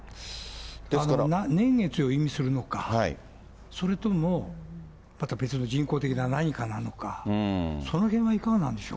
年月を意味するのか、それともまた別の人工的な何かなのか、そのへんはいかがなんでし